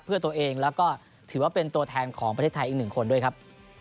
เพื่อตัวเองแล้วก็ถือว่าเป็นตัวแทนของประเทศไทยอีกหนึ่งคนด้วยครับ